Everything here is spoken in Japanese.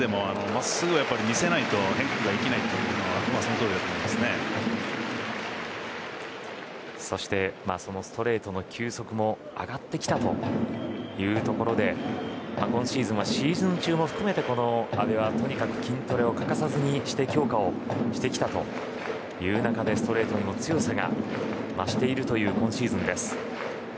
変化球ピッチャーでもまっすぐを見せないと変化球が生きないというのはそしてストレートの球速も上がってきたというところで今シーズンはシーズン中を含めて阿部はとにかく筋トレを欠かさずにして強化をしてきたという中でストレートにも強さが増しているという今シーズンです。